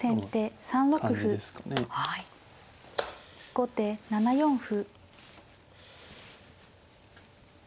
後手７四歩。